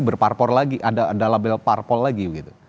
berparpol lagi ada label parpol lagi